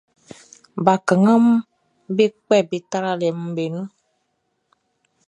Bakannganʼm be kpɛ be tralɛʼm be nun.